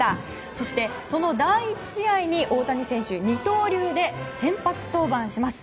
そして、その第１試合に大谷選手、二刀流で先発登板します。